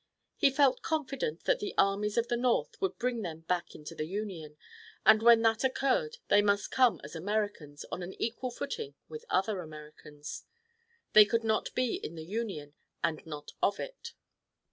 He felt confident that the armies of the North would bring them back into the Union, and when that occurred they must come as Americans on an equal footing with other Americans. They could not be in the Union and not of it.